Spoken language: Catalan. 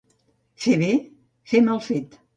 Fer bé, fer mal fet.